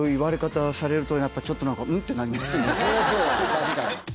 確かに。